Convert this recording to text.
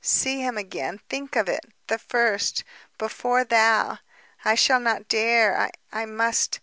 See him again ... think of it! The first! Before thou! I shall not dare. I must